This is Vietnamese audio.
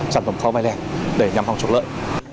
chẳng đồng khó mai lẻ để nhằm hòng trục lợi